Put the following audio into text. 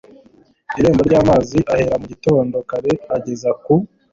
irembo ry amazi ahera mu gitondo kare ageza ku